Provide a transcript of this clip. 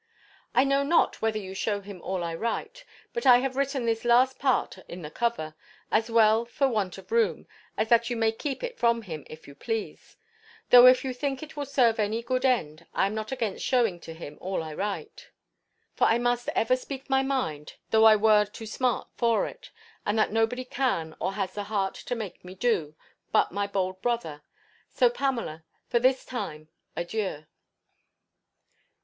I know not whether you shew him all I write: but I have written this last part in the cover, as well for want of room, as that you may keep it from him, if you please. Though if you think it will serve any good end, I am not against shewing to him all I write. For I must ever speak my mind, though I were to smart for it; and that nobody can or has the heart to make me do, but my bold brother. So, Pamela, for this time, Adieu.